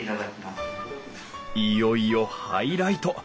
いよいよハイライト。